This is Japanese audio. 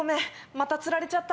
また釣られちゃった。